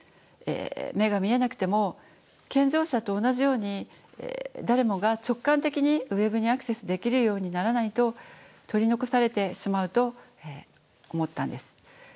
目が見えなくても健常者と同じように誰もが直感的にＷｅｂにアクセスできるようにならないと取り残されてしまうと思ったんです。